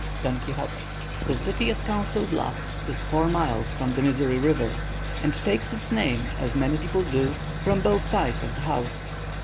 Don Quixote. The city of Council Bluffs is four miles from the Missouri River, and takes its name as many people do, from both sides of the house.